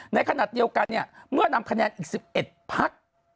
ในขณะเดียวกันเนี่ยเมื่อนำคะแนนอีก๑๑พัก